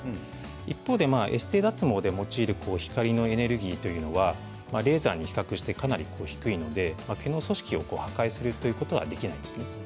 一方でエステ脱毛で用いる光のエネルギーというのはレーザーに比較してかなり低いので毛の組織を破壊することはできないんですね。